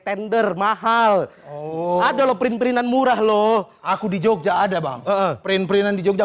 tender mahal adalah print print murah loh aku di jogja ada bang print print di jogja